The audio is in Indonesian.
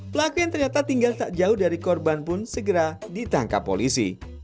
pelaku yang ternyata tinggal tak jauh dari korban pun segera ditangkap polisi